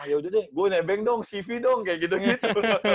ah yaudah deh gue nebeng dong cv dong kayak gitu gitu